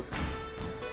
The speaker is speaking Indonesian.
tidak semenyengat dengan air